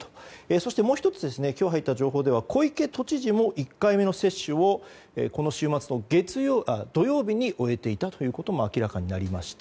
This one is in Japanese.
そしてもう１つ今日入った情報では小池都知事も１回目の接種をこの週末の土曜日に終えていたということも明らかになりました。